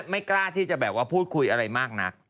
ไม่กล้าที่จะแบบว่าพูดคุยอะไรมากนัก